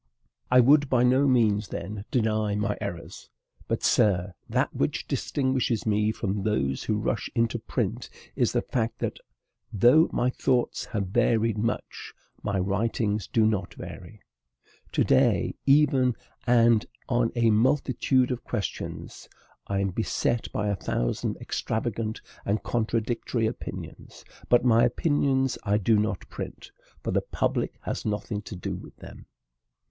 I would by no means, then, deny my errors; but, sir, that which distinguishes me from those who rush into print is the fact that, though my thoughts have varied much, my writings do not vary. To day, even, and on a multitude of questions, I am beset by a thousand extravagant and contradictory opinions; but my opinions I do not print, for the public has nothing to do with them.